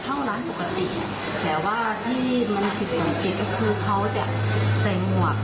เข้าร้านปกติแต่ว่าที่มันผิดสังเกตก็คือเขาจะใส่หมวก